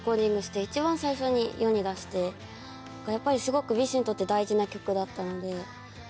やっぱりすごくＢｉＳＨにとって大事な曲だったので。